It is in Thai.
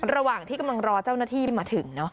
ระหว่างที่กำลังรอเจ้าหน้าที่มาถึง